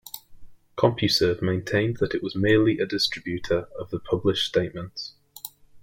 CompuServe maintained that it was merely a distributor of the published statements.